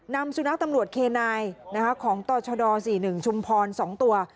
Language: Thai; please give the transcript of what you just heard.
นำสุนัขตำรวจเคนายของต่อชด๔๑ชุมพร๒ตัว